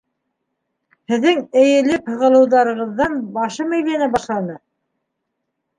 —Һеҙҙең эйелеп-һығылыуҙарығыҙҙан башым әйләнә башланы!